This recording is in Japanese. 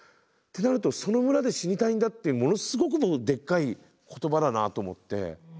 ってなると「その村で死にたいんだ」ってものすごくでっかい言葉だなと思って。